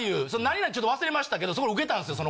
何々ちょっと忘れましたけどすごいウケたんですよ